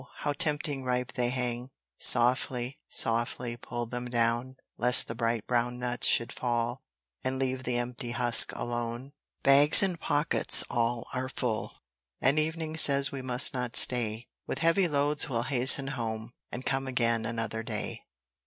how tempting ripe they hang: Softly, softly pull them down, Lest the bright brown nuts should fall, And leave the empty husk alone. Bags and pockets all are full, And evening says we must not stay; With heavy loads we'll hasten home, And come again another day.